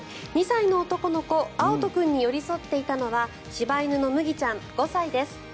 ２歳の男の子、碧乙君に寄り添っていたのは柴犬のむぎちゃん、５歳です。